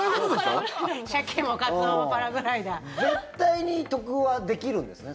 絶対に得はできるんですね。